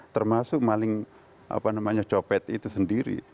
termasuk maling copet itu sendiri